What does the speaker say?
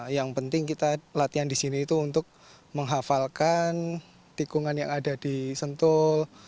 yang penting kita latihan di sini itu untuk menghafalkan tikungan yang ada di sentul